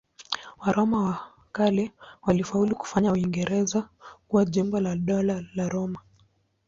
Waroma wa kale walifaulu kufanya Uingereza kuwa jimbo la Dola la Roma.